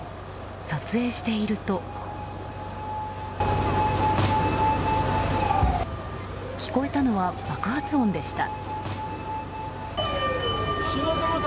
撮影していると聞こえたのは爆発音でした。